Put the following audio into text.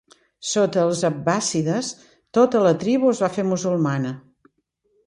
Sota els abbàssides tota la tribu es va fer musulmana.